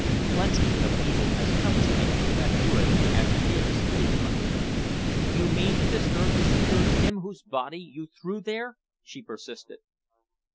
"Plenty of evil has come to me from that wood as it is," he reminded her. "You mean to disturb the spirit of him whose body you threw there?" she persisted.